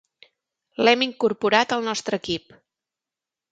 L'hem incorporat al nostre equip.